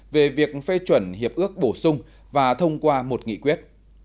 về việc phê chuẩn hiệp ước bổ sung và thông qua một nghị quyết